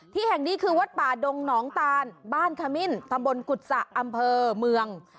ที่แห่งนี้คือวัดป่าดงหนองตานบ้านขมิ้นตำบลกุศะอำเภอเมือง